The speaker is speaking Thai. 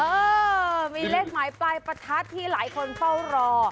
เออมีเลขหมายปลายประทัดที่หลายคนเฝ้ารอ